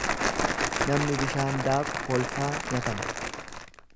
Namni bishaan daaku kolfaa nyatama.